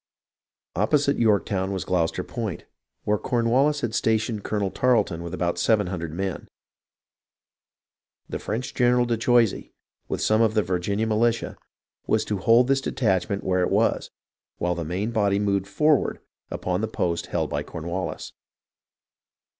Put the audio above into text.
Opposite Yorktovvn was Gloucester Point, where Corn wallis had stationed Colonel Tarleton with about seven hundred men. The French general de Choisy, with some of the Virginia militia, was to hold this detachment where it was, while the main body moved forward upon the post held by Cornwallis.